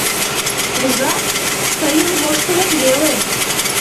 Ужат, тыйым воштылыт веле!